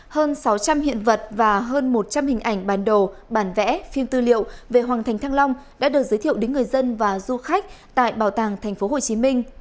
hơn sáu trăm linh hiện vật và hơn một trăm linh hình ảnh bản đồ bản vẽ phim tư liệu về hoàng thành thăng long đã được giới thiệu đến người dân và du khách tại bảo tàng tp hcm